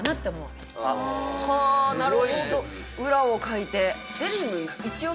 はぁなるほど裏をかいて。